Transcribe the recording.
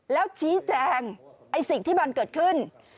แล้วชี้แจงไอ้สิ่งที่มันเกิดขึ้น